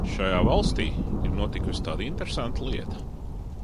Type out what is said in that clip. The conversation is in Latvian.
Šajā valstī ir notikusi tāda interesanta lieta.